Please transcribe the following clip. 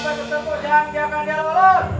jangan sampai ketemu jangan dia akan diawal